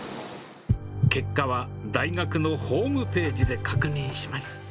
結果は大学のホームページで確認します。